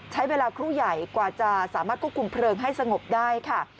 ใช้เวลาครู่ใหญ่กว่าจะสามารถควบคุมเพลิงให้สงบได้ค่ะ